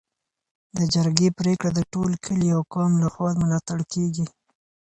د جرګې پریکړه د ټول کلي او قوم لخوا ملاتړ کيږي.